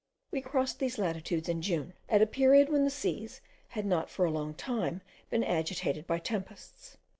We crossed these latitudes in June, at a period when the seas had not for a long time been agitated by tempests.